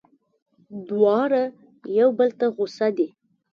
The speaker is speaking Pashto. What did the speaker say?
دواړه یو بل ته غوسه دي.